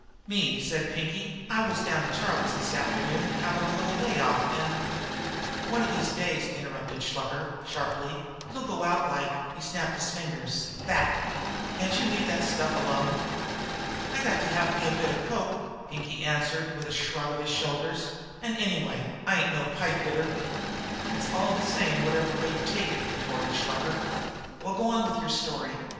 "Me," said Pinkie, "I was down to Charlie's this afternoon havin' a little lay off, an' " "One of these days," interrupted Shluker sharply, "you'll go out like" he snapped his fingers "that!" "Can't you leave the stuff alone?" "I got to have me bit of coke," Pinkie answered, with a shrug of his shoulders. "An', anyway, I'm no pipe hitter. "It's all the same whatever way you take it!" retorted Shluker. "Well, go on with your story.